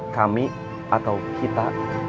kami atau kita